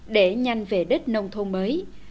để nhanh về đích nông thôn mới